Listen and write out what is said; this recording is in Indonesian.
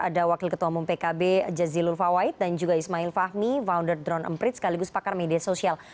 ada wakil ketua umum pkb jazilul fawait dan juga ismail fahmi founder drone emprit sekaligus pakar media sosial